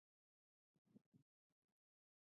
ازادي راډیو د سیاست په اړه د نېکمرغۍ کیسې بیان کړې.